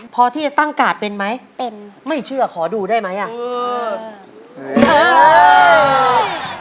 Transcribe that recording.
พอที่จะตั้งการ์ดเป็นไหมไม่เชื่อขอดูได้ไหมอะอื้อ